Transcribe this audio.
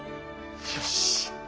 よし。